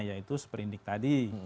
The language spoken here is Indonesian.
yaitu seperindik tadi